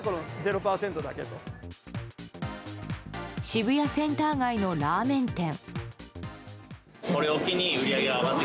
渋谷センター街のラーメン店。